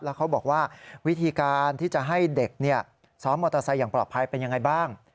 แล้วเขาบอกว่าวิธีการที่จะให้เด็กซ้อมมอเตอร์ไซค์อย่างปลอดภัยเป็นยังไงบ้าง